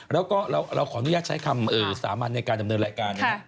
แล้วก็เราขออนุญาตใช้คำสามัญในการดำเนินรายการนะครับ